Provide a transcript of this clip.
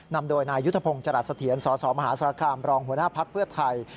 นำโดยนายยุทธพงศ์จรัสเถียรสสมหาสารคามรองหัวหน้าภักดิ์เพื่อไทย